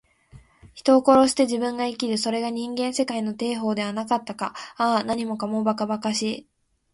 人を殺して自分が生きる。それが人間世界の定法ではなかったか。ああ、何もかも、ばかばかしい。